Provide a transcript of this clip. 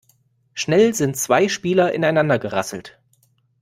Schnell sind zwei Spieler ineinander gerasselt.